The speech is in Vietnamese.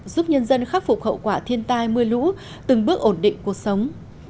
giúp nhân dân khắc phục hậu quả thiên tai mưa lũ từng bước ổn định cuộc sống